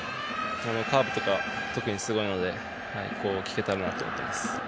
カーブとか特にすごいので聞けたらなと思っています。